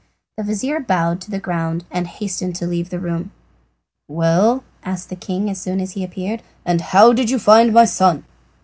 The vizir bowed to the ground and hastened to leave the room and tower. "Well," asked the king as soon as he appeared, "and how did you find my son?"